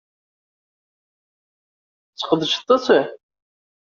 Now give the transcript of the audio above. Tesqedceḍ-tt?